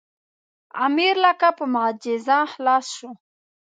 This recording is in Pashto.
امیر لکه په معجزه خلاص شو.